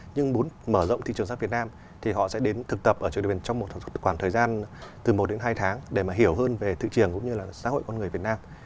nhưng muốn mở rộng thị trường sát việt nam thì họ sẽ đến thực tập ở trường đại việt trong một khoảng thời gian từ một đến hai tháng để mà hiểu hơn về thị trường cũng như là xã hội con người việt nam